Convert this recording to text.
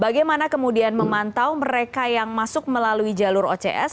bagaimana kemudian memantau mereka yang masuk melalui jalur ocs